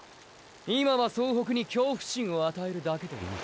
今は総北に恐怖心を与えるだけでいい。